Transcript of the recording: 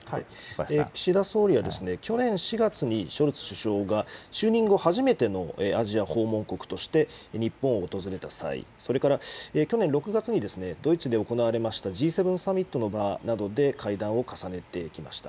岸田総理は去年４月にショルツ首相が就任後初めてのアジア訪問国として日本を訪れた際、それから去年６月にドイツで行われましたＧ７サミットの場などで会談を重ねてきました。